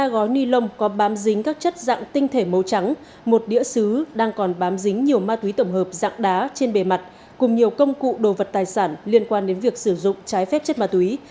ba gói ni lông có bám dính các chất dạng tinh thể màu trắng một đĩa xứ đang còn bám dính nhiều ma túy tổng hợp dạng đá trên bề mặt cùng nhiều công cụ đồ vật tài sản liên quan đến việc sử dụng trái phép chất ma túy